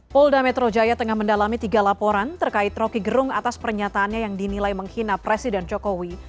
polda metro jaya tengah mendalami tiga laporan terkait rocky gerung atas pernyataannya yang dinilai menghina presiden jokowi